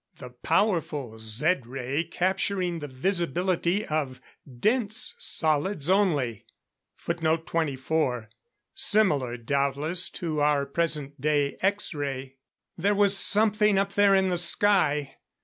The powerful Zed ray, capturing the visibility of dense solids only. [Footnote 24: Similar doubtless to our present day X ray.] There was something up there in the sky!